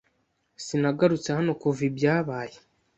Sinagarutse hano kuva ibyabaye.